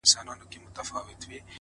د محبت دار و مدار کي خدايه ـ